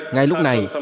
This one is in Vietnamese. ngay lúc này